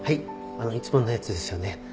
あのいつものやつですよね